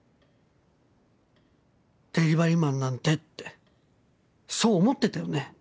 「でりばりマンなんて」ってそう思ってたよね？